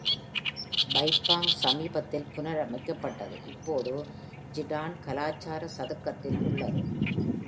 பைஃபாங் சமீபத்தில் புனரமைக்கப்பட்டது, இப்போது ஜிடான் கலாச்சார சதுக்கத்தில் உள்ளது.